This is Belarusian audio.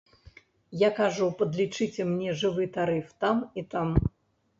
Я кажу, падлічыце мне жывы тарыф там і там.